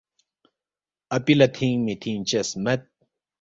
اپی لہ تھِنگمی تِھنگچس مید